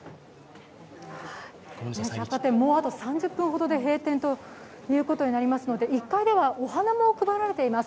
もうあと３０分ほどで閉店となりますので、１階ではお花も配られています。